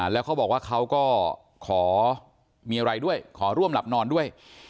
แล้วเขาบอกว่าเขาก็ขอมีอะไรด้วยขอร่วมหลับนอนด้วย